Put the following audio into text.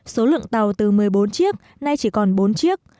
số lượng tàu từ một mươi bốn chiếc nay chỉ còn bốn chiếc